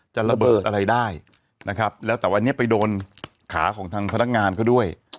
จะระเบิดอะไรได้นะครับแล้วแต่วันนี้ไปโดนขาของทางพนักงานเขาด้วย